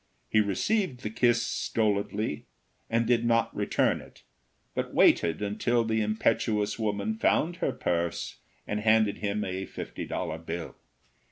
He received the kiss stolidly, and did not return it, but waited until the impetuous woman found her purse and handed him a fifty dollar bill.